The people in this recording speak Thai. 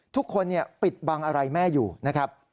ปิดบังอะไรแม่อยู่นะครับ